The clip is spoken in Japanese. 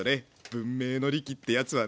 文明の利器ってやつはね。